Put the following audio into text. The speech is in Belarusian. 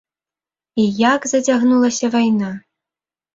І як зацягнулася вайна!